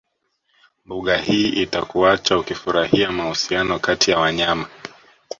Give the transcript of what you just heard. Mbuga hii itakuacha ukifurahia mahusiano kati ya wanyama